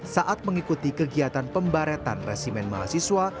saat mengikuti kegiatan pembaretan resimen mahasiswa